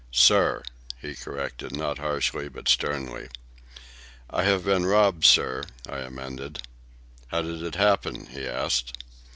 "Sir," he corrected, not harshly, but sternly. "I have been robbed, sir," I amended. "How did it happen?" he asked.